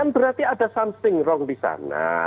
berarti ada sesuatu yang salah di sana